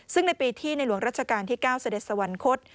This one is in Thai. ซึ่งในปีที่ในหลวงรัชกาลที่๙เสด็จสวรรคต